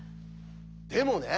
でもね